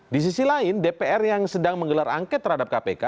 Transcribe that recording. di sisi lain dpr yang sedang menggelar angket terhadap kpk